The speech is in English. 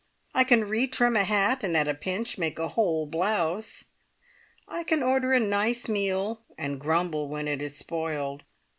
I can re trim a hat, and at a pinch make a whole blouse. I can order a nice meal, and grumble when it is spoiled.